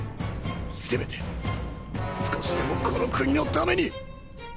せめて少しでもこの国のために！